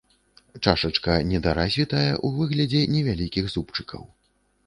Чашачка недаразвітая ў выглядзе невялікіх зубчыкаў.